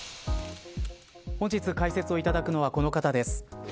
本日解説をいただくのはこの方です。